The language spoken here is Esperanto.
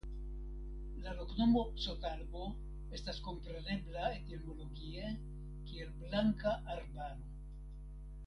La loknomo "Sotalbo" estas komprenebla etimologie kiel Blanka Arbaro.